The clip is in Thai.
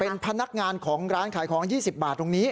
เป็นพนักงานของร้านขายของ๒๐บาทตรงนี้